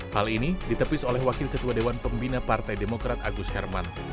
hal ini ditepis oleh wakil ketua dewan pembina partai demokrat agus herman